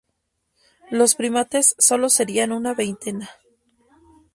Los "primates" solo serían una veintena.